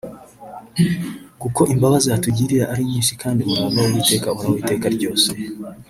Kuko imbabazi atugirira ari nyinshi kandi umurava w’Uwiteka uhoraho iteka ryose